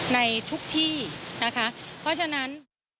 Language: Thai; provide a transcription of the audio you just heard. ในทุกที่เพราะฉะนั้น